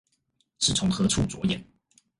是從何處著眼？